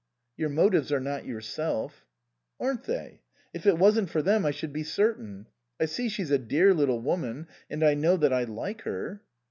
" Your motives are not yourself." " Aren't they ? If it wasn't for them I should be certain. I see she's a dear little woman, and I know that I like her."